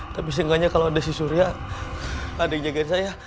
tapi seenggaknya kalau ada si surya ada yang jagain saya